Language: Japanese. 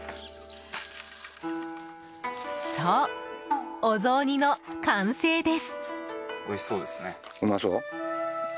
そう、お雑煮の完成です。